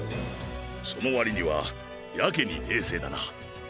そのわりにはやけに冷静だな？